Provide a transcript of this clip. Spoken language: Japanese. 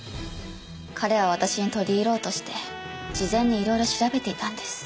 彼は私に取り入ろうとして事前にいろいろ調べていたんです。